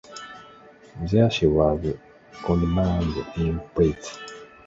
There she was condemned in prize.